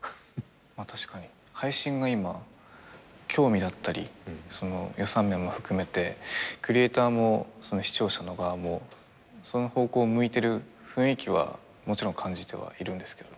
確かに配信が今興味だったり予算面も含めてクリエーターも視聴者の側もその方向を向いてる雰囲気はもちろん感じてはいるんですけどね。